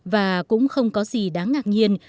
và cũng không có gì đáng ngạc nhiên